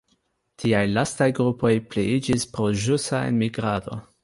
Tiaj lastaj grupoj pliiĝis pro ĵusa enmigrado.